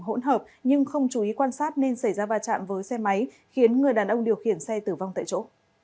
hỗn hợp nhưng không chú ý quan sát nên xảy ra va chạm với xe máy khiến người đàn ông điều khiển xe tử vong tại chỗ